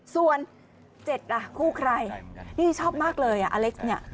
ส่วน๗คู่ใครนี่ชอบมากเลยอาเล็กซ์